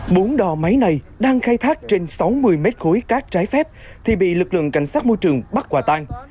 bốn đò máy này đang khai thác trên sáu mươi mét khối cát trái phép thì bị lực lượng cảnh sát môi trường bắt quả tang